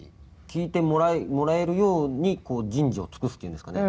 聴いてもらえるように人事を尽くすっていうんですかね